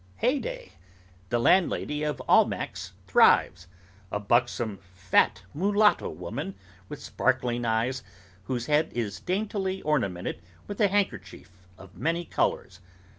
Heyday! the landlady of Almack's thrives! A buxom fat mulatto woman, with sparkling eyes, whose head is daintily ornamented with a handkerchief of many colours.